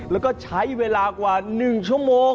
แล้วก็ใช้เวลากว่า๑ชั่วโมง